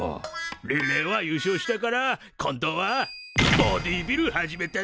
リレーは優勝したから今度はボディービル始めたんだ。